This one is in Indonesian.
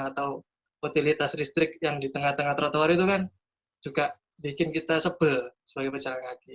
atau utilitas listrik yang di tengah tengah trotoar itu kan juga bikin kita sebel sebagai pejalan kaki